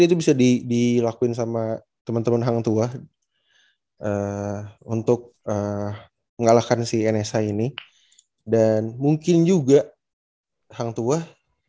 itu bisa dilakuin sama teman teman hangtuah untuk mengalahkan si nsa ini dan mungkin juga hangtuah